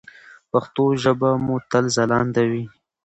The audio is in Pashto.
پښتو ژبه مو تل ځلانده وي.